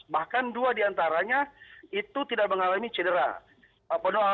bahkan dua diantaranya itu tidak mengalami cedera